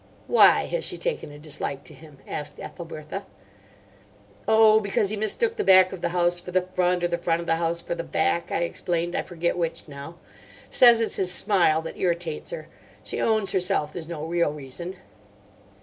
"Why has she taken a dislike to him?" asked Ethelbertha. "Oh, because he mistook the back of the house for the front, or the front of the house for the back," I explained; "I forget which now. Says it's his smile that irritates her. She owns herself there's no real reason."